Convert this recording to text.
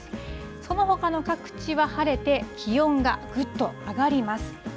そのほかの各地は晴れて、気温がぐっと上がります。